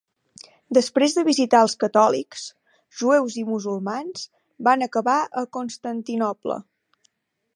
Després de visitar els catòlics, jueus i musulmans, van acabar a Constantinoble.